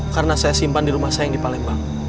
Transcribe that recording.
karena saya simpan di rumah sayang di palembang